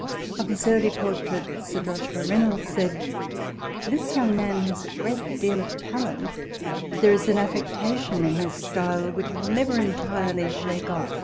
Of his early portraits Sir Joshua Reynolds said, " This young man has a great deal of talent ; but there is an affectation in his style which he will never entirely shake off."